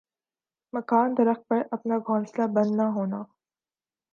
مکان درخت پر اپنا گھونسلے بننا ہونا